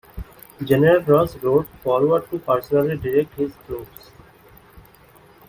General Ross rode forward to personally direct his troops.